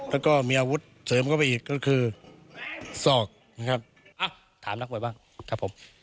แล้วก็มีอาวุธเสริมเข้าไปอีกก็คือศอกนะครับถามนักมวยบ้างครับผม